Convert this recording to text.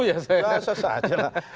biasa saja lah